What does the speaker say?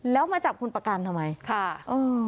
แล้วมาจับคุณประการทำไม